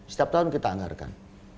setiap tahun kita anggarkan